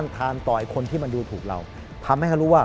ที่มันดูถูกเราทำให้เขารู้ว่า